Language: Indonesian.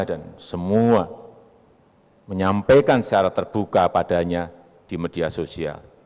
dan semua menyampaikan secara terbuka padanya di media sosial